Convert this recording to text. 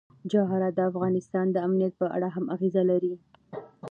جواهرات د افغانستان د امنیت په اړه هم اغېز لري.